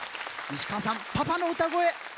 西川さん、パパの歌声。